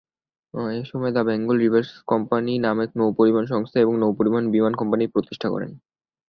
এ সময়ে "the Bengal river service company" নামে নৌ-পরিবহন সংস্থা এবং নৌ-পরিবহন বীমা কোম্পানি প্রতিষ্ঠা করেন।